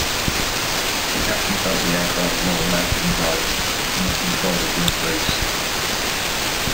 The captain felt the aircraft roll left and right, and the controls went loose.